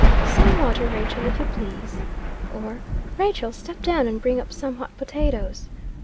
"Some water, Rachael, if you please." Or, "Rachael, step down and, bring up some hot potatoes."